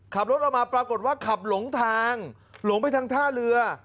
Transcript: ขับรถออกมาปรากฏว่าขับหลงทางหลงไปทางท่าเรือ